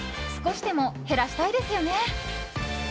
少しでも減らしたいですよね。